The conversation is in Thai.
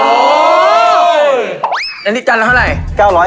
อันนี้จานละเท่าไหร่